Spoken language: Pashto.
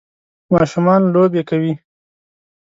ماشومان لوبې کوي